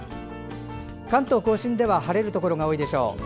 関東・甲信では晴れるところが多いでしょう。